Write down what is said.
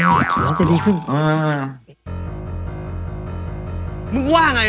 ก็บอกแล้วไม่ต้องไปตามหามันไง